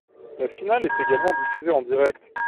La finale est également diffusée en direct.